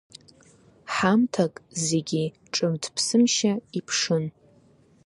Ҳамҭак зегьы ҿымҭ-ԥсымшьа иԥшын.